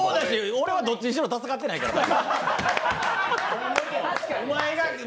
俺は、どっちにしろ助かってないからな。